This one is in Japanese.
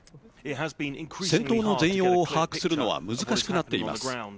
戦闘の全容を把握するのは難しくなっています。